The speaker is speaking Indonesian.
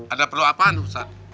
ada perlu apaan ustadz